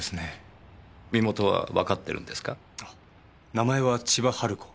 名前は千葉ハル子。